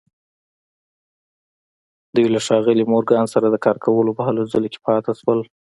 دوی له ښاغلي مورګان سره د کار کولو په هلو ځلو کې پاتې شول